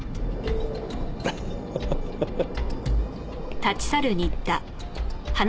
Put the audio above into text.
アハハハハ。